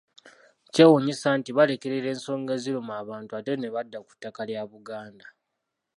Kyewuunyisa nti balekerera ensonga eziruma abantu ate ne badda ku ttaka lya Buganda.